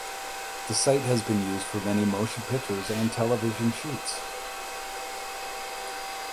The site has been used for many motion pictures and television shoots.